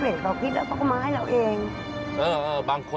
เราดูแลไม่ต้องถึงกระเผิกแป๊บเดียว